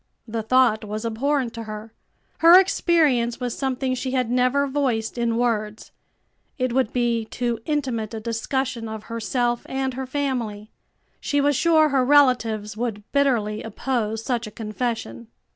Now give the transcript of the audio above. The thought was abhorrent to her. Her experience was something she had never voiced in words. It would be too intimate a discussion of herself and her family. She was sure her relatives would bitterly oppose such a confession.